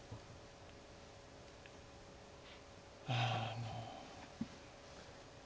はあもう。